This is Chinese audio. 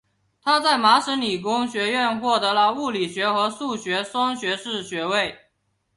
他在麻省理工学院获得了物理学和数学双学士学位。